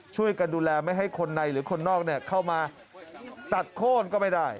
ช่วยกันดูแลไม่ให้คนในหรือคนนอกเข้ามาตัดโค้นก็ไม่ได้